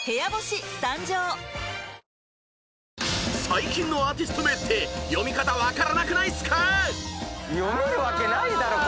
［最近のアーティスト名って読み方分からなくないっすか？］